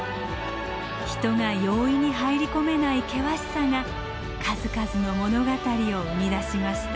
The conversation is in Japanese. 人が容易に入り込めない険しさが数々の物語を生み出しました。